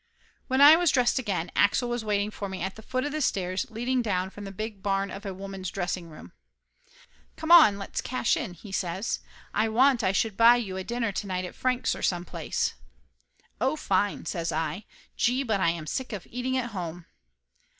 When I was dressed again Axel was waiting for me at the foot of the stairs leading down from the big barn of a women's dressing room. "Come on, let's cash in," he says. "Aye want Aye should buy you a dinner to night at Frank's or some place." "Oh, fine!" says I. "Gee, but I am sick of eating at home!"